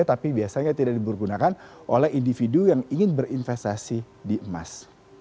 tapi biasanya tidak dipergunakan oleh individu yang ingin berinvestasi di emas